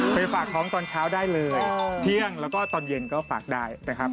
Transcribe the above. ไปฝากท้องตอนเช้าได้เลยเที่ยงแล้วก็ตอนเย็นก็ฝากได้นะครับ